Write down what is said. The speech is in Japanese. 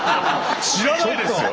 知らないですよ！